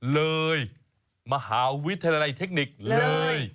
เลยมหาวิทยาลัยเทคนิคเลย